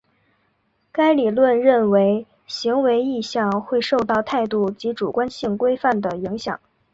该理论认为行为意向会受到态度及主观性规范的影响。